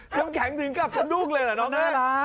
น้ำแข็งถึงกับพระดูกเลยหรอน้องแม่